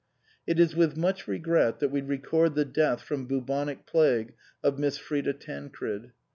"It is with much regret that we record the death from bubonic plague of Miss Frida Tancred.